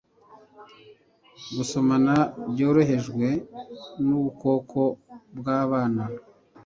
Gusomana byoherejwe n'ukuboko kw'abana